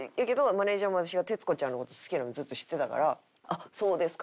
マネジャーも私が徹子ちゃんの事好きなのずっと知ってたから「あっそうですか」。